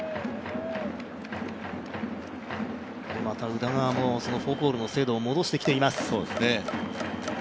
宇田川もフォークボールの精度を戻してきています。